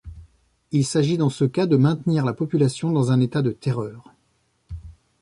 Il s'agit dans ce cas de maintenir la population dans un état de terreur.